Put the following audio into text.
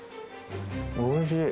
おいしい。